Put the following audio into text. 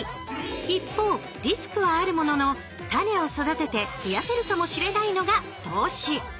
一方リスクはあるものの種を育てて増やせるかもしれないのが「投資」。